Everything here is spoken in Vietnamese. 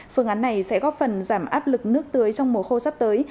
phương án này sẽ góp phần giảm áp lực nước tưới trong mùa khô sắp tới